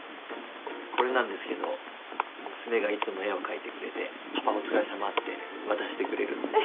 これなんですけど娘がいつも絵を描いてくれて「パパお疲れさま」って渡してくれるんです。